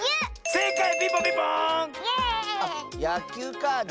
せいかい！